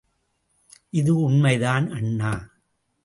இது உண்மைதான் அண்ணா!